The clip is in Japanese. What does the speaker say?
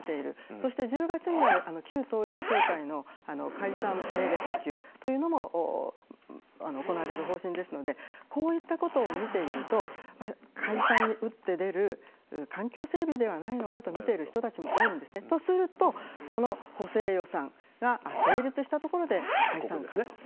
そして１０月には旧統一教会の解散命令請求というのも行われる方針ですので、こういったことを見ていると、解散に打って出る環境整備ではないのかと見てる人たちも多いんですね。とすると、この補正予算が成立したところで解散かなと。